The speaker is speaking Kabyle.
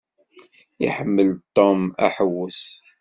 Iḥemmel Tom aḥewwes.